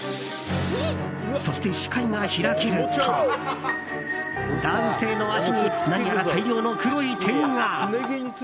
そして、視界が開けると男性の足に何やら大量の黒い点が。